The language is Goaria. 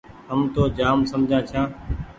هم تو جآم سمجها ڇآن۔